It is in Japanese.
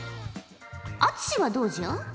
篤志はどうじゃ？